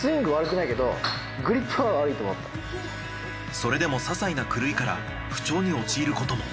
それでもささいな狂いから不調に陥ることも。